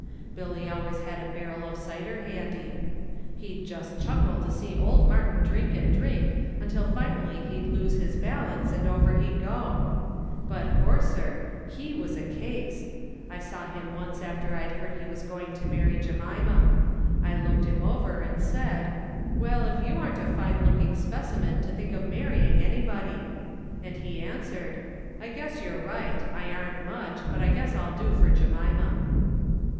Billy always had a barrel of cider handy. He'd just chuckle to see old Martin drink and drink until finally he'd lose his balance and over he'd go ! But Horser he was a case ! I saw him once after I'd heard he was going to marry Jemima. I looked him over and said, 'Well, if you aren't a fine looking specimen to think of marrying anybody !' and he answered, ' I guess you're right I aren't much, but I guess I'll do fer Jemima.'